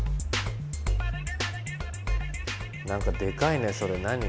何かでかいねそれ何？